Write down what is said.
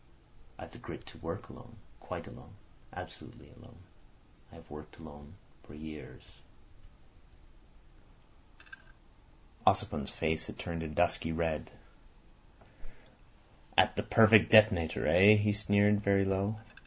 I've the grit to work alone, quite alone, absolutely alone. I've worked alone for years." Ossipon's face had turned dusky red. "At the perfect detonator—eh?" he sneered, very low.